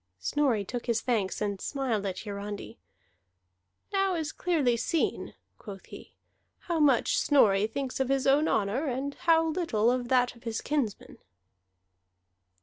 Snorri took his thanks, and smiled at Hiarandi. "Now is clearly seen," quoth he, "how much Snorri thinks of his own honor, and how little of that of his kinsmen."